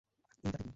এই, তাতে কী?